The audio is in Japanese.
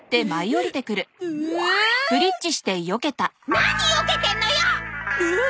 何よけてんのよっ！